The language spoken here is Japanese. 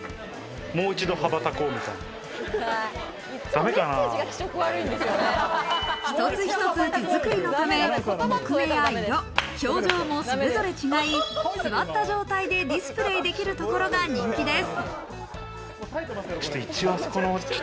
一つ一つ手作りのため、木目や色、表情もそれぞれ違い、座った状態でディスプレイできるところが人気です。